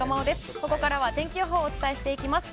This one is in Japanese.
ここからは天気予報をお伝えしていきます。